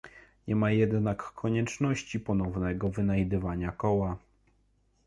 Nie ma jednak konieczności ponownego wynajdywania koła